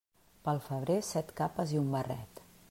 Pel febrer, set capes i un barret.